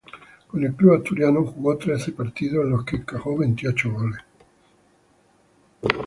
Con el club asturiano jugó trece partidos en los que encajó veintiocho goles.